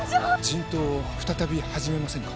人痘を再び始めませぬか？